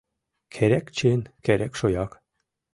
Керек чын, керек шояк